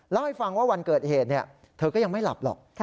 เล่าให้ฟังว่าวันเกิดเหตุเธอก็ยังไม่หลับหรอก